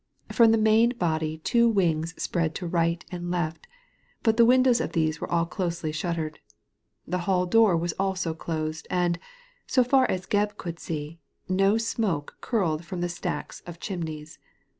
From the main body two wings spread to right and left, but the windows of these were all closely shuttered The hall door was also closed, and — so far as Gebb could see — no smoke curled from the stacks of chimneys.